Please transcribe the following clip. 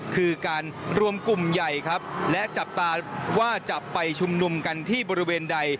คือการรวมกลุ่มใหญ่ครับและจับตาว่าจะไปชุมนุมกันที่บริเวณใด